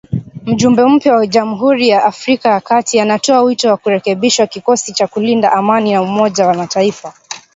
Mjumbe mpya wa Jamuhuri ya Afrika ya Kati anatoa wito wa kurekebishwa kikosi cha kulinda amani cha Umoja wa Mataifa